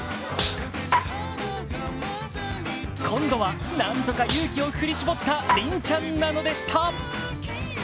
今度はなんとか勇気を振り絞ったリンちゃんなのでした。